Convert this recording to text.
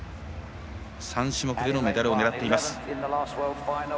３種目でのメダルを狙っています。